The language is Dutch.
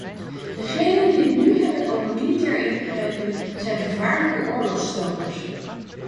Degenen die het nu hebben over militair ingrijpen zijn gevaarlijke oorlogsstokers.